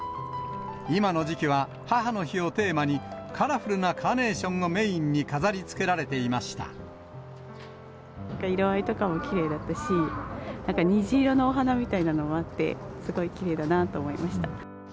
今の時期は母の日をテーマに、カラフルなカーネーションをメイ色合いとかもきれいだったし、なんか虹色のお花みたいなのもあって、すごいきれいだなと思いました。